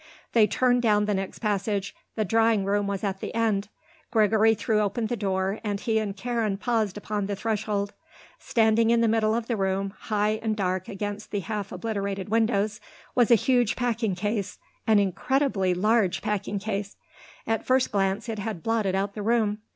They turned down the next passage; the drawing room was at the end. Gregory threw open the door and he and Karen paused upon the threshold. Standing in the middle of the room, high and dark against the half obliterated windows, was a huge packing case, an incredibly huge packing case. At a first glance it had blotted out the room.